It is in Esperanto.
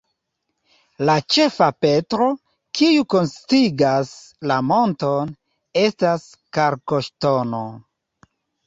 La ĉefa petro, kiu konsistigas la monton, estas kalkoŝtono.